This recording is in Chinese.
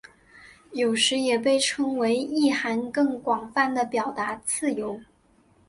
有时也被称为意涵更广泛的表达自由。